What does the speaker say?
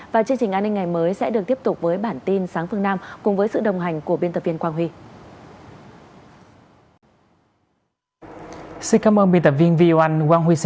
và chương trình an ninh ngày mới sẽ được tiếp tục với bản tin sáng phương nam cùng với sự đồng hành của biên tập viên quang huy